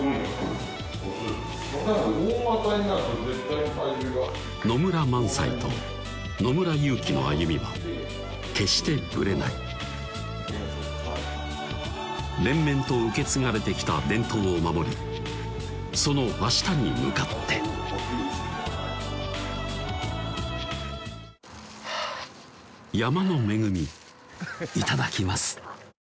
大股になると体重が野村萬斎と野村裕基の歩みは決してぶれない連綿と受け継がれてきた伝統を守りその明日に向かって山の恵みいただきます